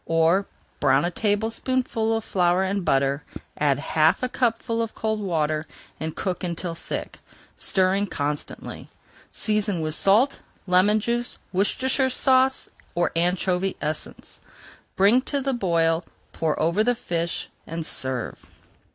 Or, brown a tablespoonful of flour in butter, add half a cupful of cold water and cook until thick, stirring constantly. Season with salt, lemon juice, and Worcestershire Sauce, or anchovy essence. Bring to the boil, pour over the fish, and serve.